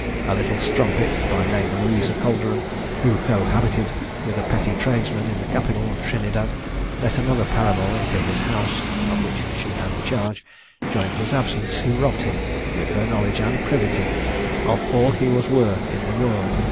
A little strumpet, by name Louisa Calderon, who cohabited with a petty tradesman in the capital of Trinidad, let another paramour into his house (of which she had the charge) during his absence, who robbed him, with her knowledge and privity, of all he was worth in the world.